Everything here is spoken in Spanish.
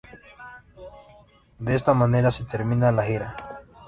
De esta manera se termina la gira.